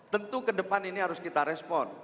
tentu ke depan ini harus kita respon